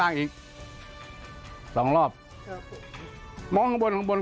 ลงไปดับข้างล่างอีกมองข้างบน